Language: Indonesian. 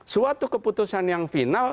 suatu keputusan yang final